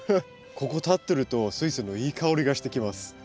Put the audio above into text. ここ立ってるとスイセンのいい香りがしてきます。